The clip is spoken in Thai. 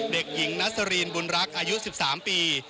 เด็กหญิงนัสรีนบุญรักษ์อายุ๑๓ปี